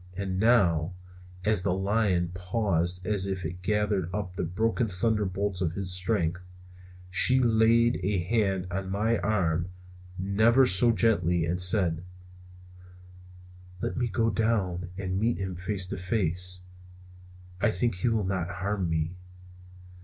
And now, as the lion paused as if to gather up the broken thunderbolts of his strength, she laid a hand on my arm, never so gently, and said: "Let me go down and meet him face to face. I think he will not harm me."